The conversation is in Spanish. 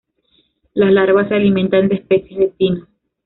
Las larvas se alimentan de especies de pinos.